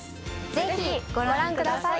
ぜひご覧ください。